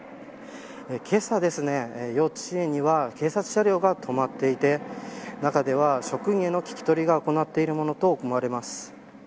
けさ幼稚園には警察車両が止まっていて中では、職員の聞き取りを行っているものとみられます。